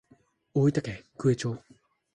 大分県九重町